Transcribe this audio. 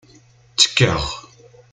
Ttekkaɣ.